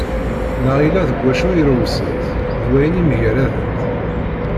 Neɣ yella deg wacu irewsent, d wayen i mgaradent.